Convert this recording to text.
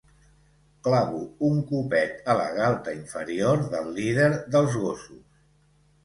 Clavo un copet a la galta inferior del líder dels Gossos.